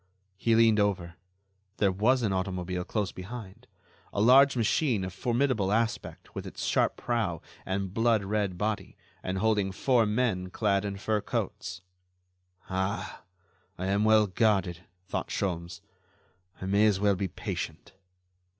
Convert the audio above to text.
He leaned over. There was an automobile close behind; a large machine of formidable aspect with its sharp prow and blood red body, and holding four men clad in fur coats. "Ah! I am well guarded," thought Sholmes. "I may as well be patient."